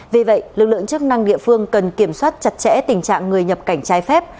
vì vậy lực lượng chức năng địa phương cần kiểm soát chặt chẽ tình trạng người nhập cảnh trái phép